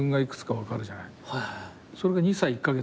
それが２歳１カ月。